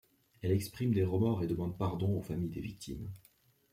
Elle exprime des remords et demande pardon aux familles des victimes.